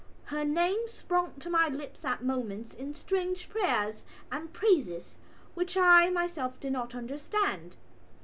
Her name sprang to my lips at moments in strange prayers and praises which I myself did not understand.